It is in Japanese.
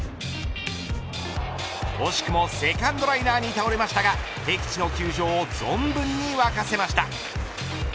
惜しくもセカンドライナーに倒れましたが、敵地の球場を存分に沸かせました。